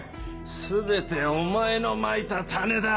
全てお前のまいた種だ！